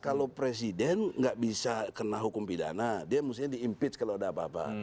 kalau presiden nggak bisa kena hukum pidana dia mestinya diimpeach kalau ada apa apa